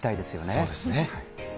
そうですね。